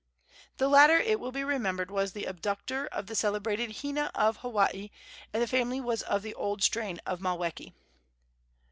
The latter, it will be remembered, was the abductor of the celebrated Hina, of Hawaii, and the family was of the old strain of Maweke.